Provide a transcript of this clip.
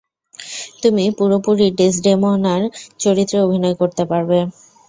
তুমি পুরোপুরি ডেসডেমোনার চরিত্রে অভিনয় করতে পারবে।